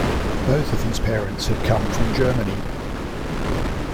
Both of his parents had come from Germany.